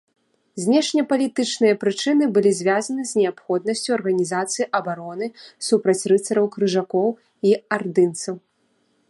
Знешнепалітычныя прычыны былі звязаны з неабходнасцю арганізацыі абароны супраць рыцараў-крыжакоў і ардынцаў.